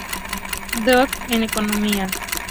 D. en Economía.